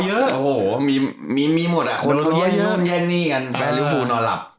เอ้าเหย่่นโดนร้อยเยอะ